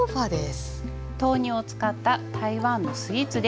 豆乳を使った台湾のスイーツです。